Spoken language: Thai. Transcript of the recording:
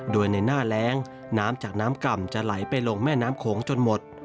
โดยในหน้าแรงน้ำจากน้ำก่ำจะไหลไปลงแม่น้ำโขงจนหมด